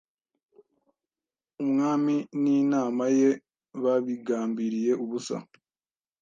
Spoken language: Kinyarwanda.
Umwami ninama ye babigambiriye ubusa